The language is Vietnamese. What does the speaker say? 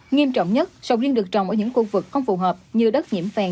nghiêm trọng nhất sầu riêng được trồng ở những khu vực không phù hợp như đất nhiễm phèn